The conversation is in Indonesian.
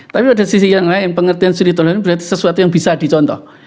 tapi pada sisi yang lain pengertian suri tol ini berarti sesuatu yang bisa dicontoh